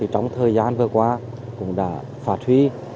trong thời gian vừa qua cũng đã phá thủy